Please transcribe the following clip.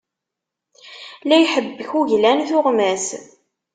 La iḥebbek uglan, tuɣmas.